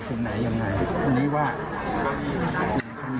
ครับขอแสดงตามเสียใจ